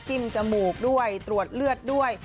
จมูกด้วยตรวจเลือดด้วย